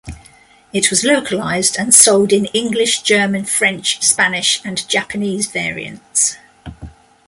It was localized and sold in English, German, French, Spanish and Japanese variants.